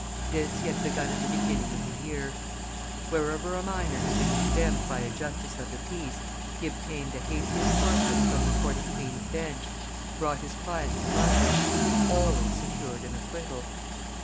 This he had begun at the beginning of the year. Wherever a miner had been condemned by a Justice of the Peace, he obtained a habeas corpus from the Court of Queen's bench, brought his client to London, and always secured an acquittal.